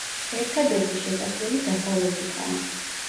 ერთადერთი შესასვლელი დასავლეთითაა.